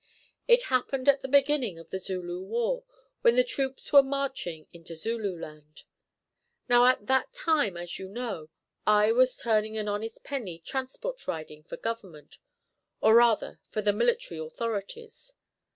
It happened at the beginning of the Zulu war, when the troops were marching into Zululand. Now at that time, as you know, I was turning an honest penny transport riding for Government, or rather for the military authorities.